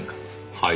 はい？